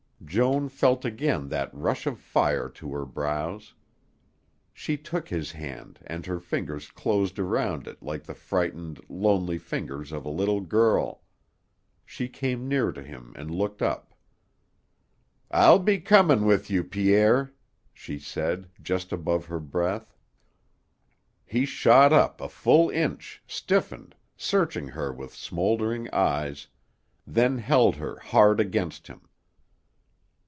Joan felt again that rush of fire to her brows. She took his hand and her fingers closed around it like the frightened, lonely fingers of a little girl. She came near to him and looked up. "I'll be comin' with you, Pierre," she said, just above her breath. He shot up a full inch, stiffened, searched her with smouldering eyes, then held her hard against him.